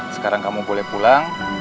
sekarang kamu boleh pulang